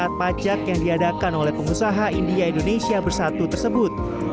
dan pajak yang diadakan oleh pengusaha india indonesia bersatu tersebut